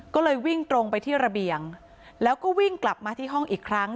ก็เลยวิ่งตรงไปที่ระเบียงแล้วก็วิ่งกลับมาที่ห้องอีกครั้ง